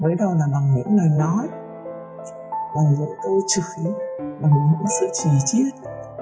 với đâu là bằng những lời nói bằng những câu chửi bằng những sức trí triết